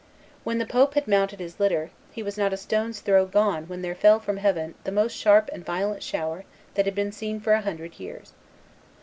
When the pope had mounted his litter, he was not a stone's throw gone when there fell from heaven the most sharp and violent shower that had been seen for a hundred years.